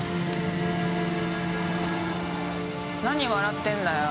何笑ってんだよ？